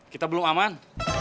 kita belum aman